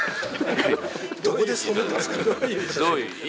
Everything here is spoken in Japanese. どこでそう思ったんですかね。